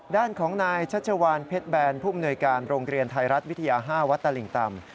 ด้านของนายชัชวานเพชรแบนผู้มนวยการโรงเรียนไทยรัฐวิทยา๕วัดตลิ่งต่ำ